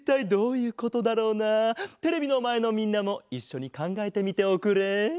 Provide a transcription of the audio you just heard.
テレビのまえのみんなもいっしょにかんがえてみておくれ。